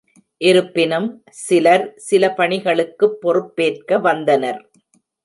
இருப்பினும், சிலர் சில பணிகளுக்குப் பொறுப்பேற்க வந்தனர்.